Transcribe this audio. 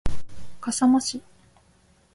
笠間市